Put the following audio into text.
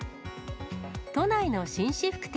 都内の紳士服店。